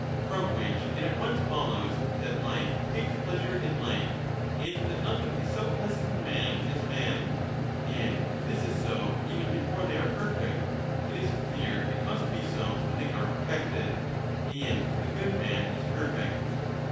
'From which it at once follows that like takes pleasure in like, and that nothing is so pleasant to man as man ;) and if this is so even before they are perfect, it is clear it must be so when they are perfected ; and the good 30 man is perfect.